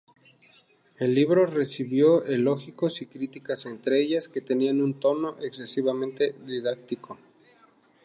El libro recibió elogios y críticas, entre ellas que tenía un tono excesivamente didáctico.